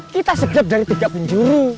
kita seger dari tiga penjuru